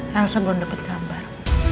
rasa belum dapet gambar